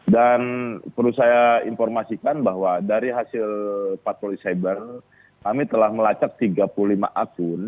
dan perlu saya informasikan bahwa dari hasil pak polisi cyber kami telah melacak tiga puluh lima akun